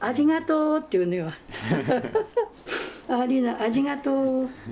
ありがとうって。